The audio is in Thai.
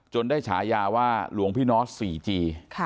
ได้ฉายาว่าหลวงพี่นอสสี่จี